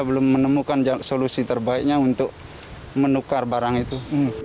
belum menemukan solusi terbaiknya untuk menukar barang itu